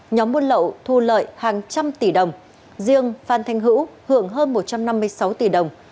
nhóm buôn lậu thu lợi hàng trăm tỷ đồng riêng phan thanh hữu hưởng hơn một trăm năm mươi sáu tỷ đồng